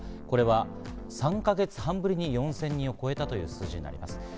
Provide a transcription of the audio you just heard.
これは３か月半ぶりに４０００人を超えたという数字になります。